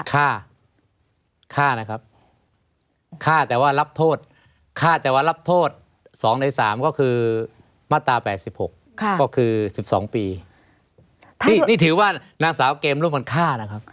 ฆ่าฆ่านะครับฆ่าแต่ว่ารับโทษฆ่าแต่ว่ารับโทษ๒ใน๓ก็คือมาตรา๘๖ก็คือ๑๒ปีนี่ถือว่านางสาวเกมร่วมกันฆ่านะครับ